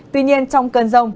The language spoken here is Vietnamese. tuy nhiên trong cơn rông